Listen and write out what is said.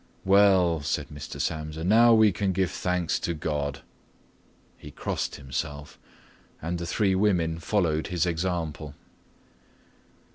"Well," said Mr. Samsa, "now we can give thanks to God." He crossed himself, and the three women followed his example.